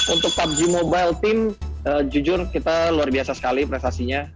untuk pubg mobile team jujur kita luar biasa sekali prestasinya